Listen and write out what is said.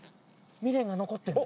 未練が残ってんだ